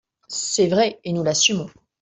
C’est vrai, et nous l’assumons